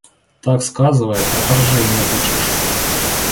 Так сказывает, ото ржей не отличишь.